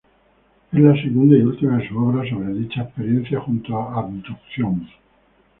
Es la segunda y última de sus obras sobre dichas experiencias, junto a "Abducción".